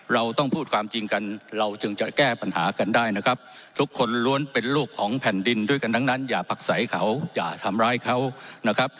เราต้องพูดความจริงกันเราจึงจะแก้ปัญหากันได้นะครับทุกคนล้วนเป็นลูกของแผ่นดินด้วยกันทั้งนั้นอย่าพักใสเขาอย่าทำร้ายเขานะครับ